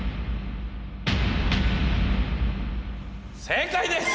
正解です！